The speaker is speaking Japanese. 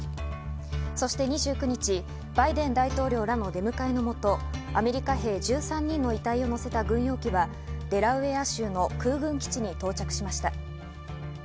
そして２９日、バイデン大統領らの出迎えのもと、アメリカ兵１３人の遺体を乗せた軍用機はデラウェア州の空軍基地に到着しました。